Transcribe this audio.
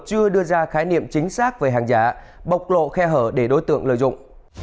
chưa đưa ra khái niệm chính xác về hàng giá bộc lộ khe hở để đối tượng lợi dụng